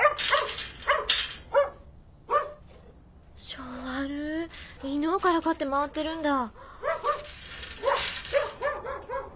性悪犬をからかって回ってるんだ。